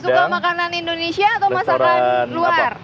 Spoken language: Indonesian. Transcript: suka makanan indonesia atau masakan luar